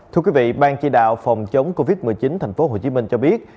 thưa quý vị ban chỉ đạo phòng chống covid một mươi chín tp hcm cho biết